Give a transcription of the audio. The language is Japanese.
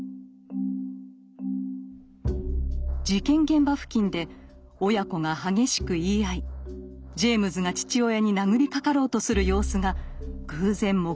事件現場付近で親子が激しく言い合いジェイムズが父親に殴りかかろうとする様子が偶然目撃されていたのです。